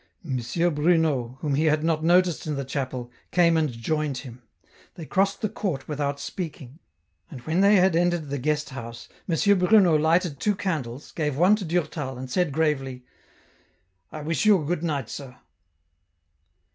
M. Bruno, whom he had not noticed in the chapel, came and joined him. They crossed the court without speaking, and when they had entered the guest house, M. Bruno lighted two candles, gave one to Durtal, and said gravely, " I wish you a good night, sir."